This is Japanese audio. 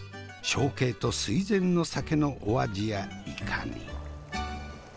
憧憬と垂涎の酒のお味やいかに？